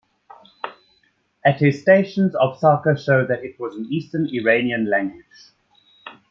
Attestations of Saka show that it was an Eastern Iranian language.